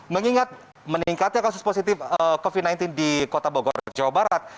mengingat meningkatnya kasus positif covid sembilan belas di kota bogor jawa barat